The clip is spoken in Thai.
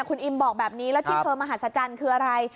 คุณอิมบอกแบบนี้แล้วที่เธอมหัศจรรย์คืออะไร